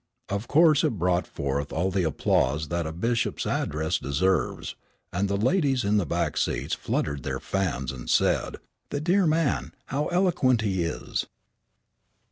Of course it brought forth all the applause that a bishop's address deserves, and the ladies in the back seats fluttered their fans, and said: "The dear man, how eloquent he is."